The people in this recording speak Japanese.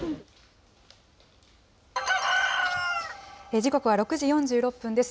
時刻は６時４６分です。